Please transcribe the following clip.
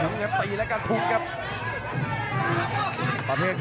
อื้อหือจังหวะขวางแล้วพยายามจะเล่นงานด้วยซอกแต่วงใน